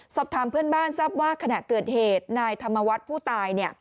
สอบถามเพื่อนบ้านทราบว่าขณะเกิดเหตุนายธรรมวัฒน์ผู้ตาย